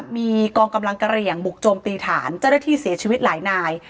มีกองกำลังกะเหลี่ยงบุกโจมตีฐานเจ้าหน้าที่เสียชีวิตหลายนาย